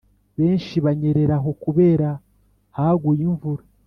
benshi banyerera aho kubera haguye imvura